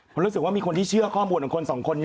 ผมรู้สึกว่ามีคนที่เชื่อข้อมูลของคนสองคนนี้